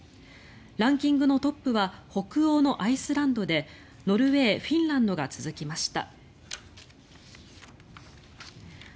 ランキングのトップは北欧のアイスランドでノルウェー、フィンランドが続きました。